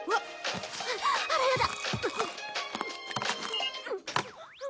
あらやだ！